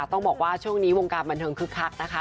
ต้องบอกว่าช่วงนี้วงการบันเทิงคึกคักนะคะ